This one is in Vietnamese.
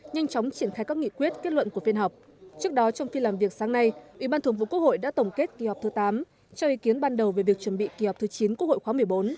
nhanh chóng triển khai các nghị quyết kết luận của phiên họp trước đó trong phiên làm việc sáng nay ủy ban thường vụ quốc hội đã tổng kết kỳ họp thứ tám cho ý kiến ban đầu về việc chuẩn bị kỳ họp thứ chín quốc hội khóa một mươi bốn